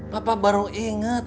papa baru ingat